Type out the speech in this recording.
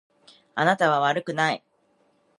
あなたは悪くない。